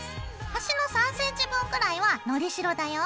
端の３ｃｍ分ぐらいはのりしろだよ。